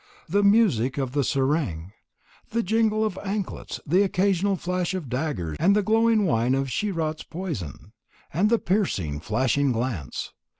The music of the sareng, the jingle of anklets, the occasional flash of daggers and the glowing wine of Shiraz poison, and the piercing flashing glance!